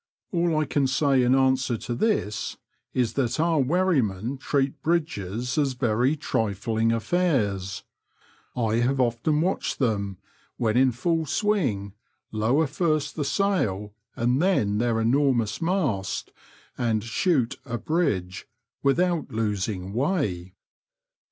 All I can say in answer to this is that our wherrymen treat bridges as very trifling affairs ; I have often watched them, when in full swing, lower first the sail, and then their enormous mast, and shoot " a bridge, without losing way.